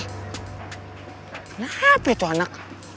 kenapa itu anak